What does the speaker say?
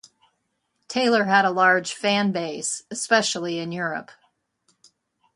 Taylor had a large fanbase, especially in Europe.